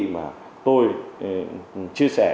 mà tôi chia sẻ